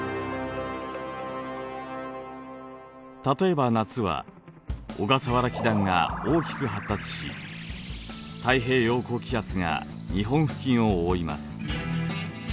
例えば夏は小笠原気団が大きく発達し太平洋高気圧が日本付近を覆います。